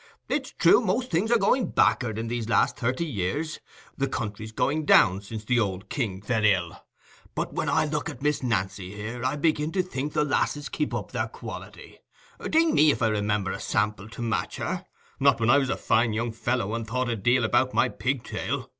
It's true, most things are gone back'ard in these last thirty years—the country's going down since the old king fell ill. But when I look at Miss Nancy here, I begin to think the lasses keep up their quality;—ding me if I remember a sample to match her, not when I was a fine young fellow, and thought a deal about my pigtail.